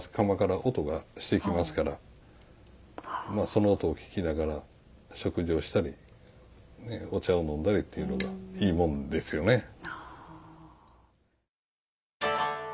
釜から音がしてきますからその音を聞きながら食事をしたりお茶を飲んだりっていうのがいいもんですよね。